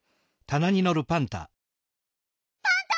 パンタ！